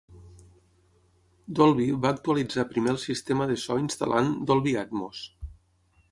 Dolby va actualitzar primer el sistema de so instal·lant Dolby Atmos.